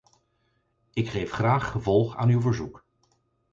Ik geef graag gevolg aan uw verzoek.